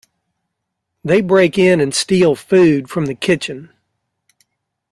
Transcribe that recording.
They break in and steal food from the kitchen.